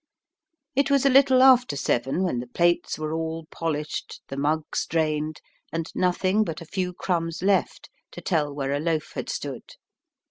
It was a little after seven when the plates were all polished, the mugs drained, and nothing but a few crumbs left to tell where a loaf had stood.